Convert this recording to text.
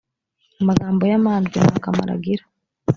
amagambo y amanjwe ntakamaro agira